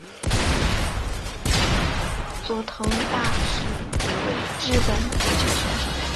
佐藤大是一位日本足球选手。